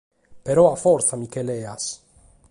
Pero a fortza mi nche leas!